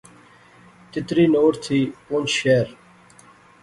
تیتری نوٹ تھی پونچھ شہر